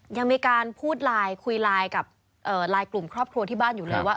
ยังมีการพูดไลน์คุยไลน์กับไลน์กลุ่มครอบครัวที่บ้านอยู่เลยว่า